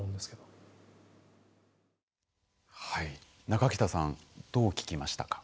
中北さんどう聞きましたか。